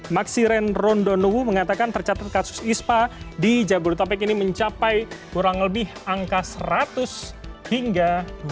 maksiren rondonuwu mengatakan tercatat kasus ispa di jagodotapik ini mencapai kurang lebih angka seratus hingga dua ratus